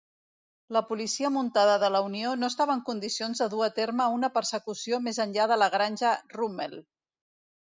La policia muntada de la Unió no estava en condicions de dur a terme una persecució més enllà de la granja Rummel.